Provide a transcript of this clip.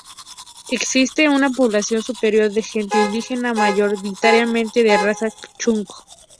Existe una población superior de gente indígena mayoritariamente de raza chuj.